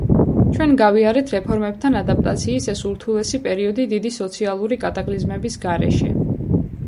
ჩვენ გავიარეთ რეფორმებთან ადაპტაციის ეს ურთულესი პერიოდი დიდი სოციალური კატაკლიზმების გარეშე.